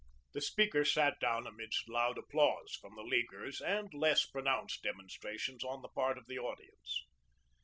The speaker sat down amidst loud applause from the Leaguers and less pronounced demonstrations on the part of the audience.